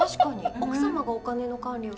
奥様がお金の管理を？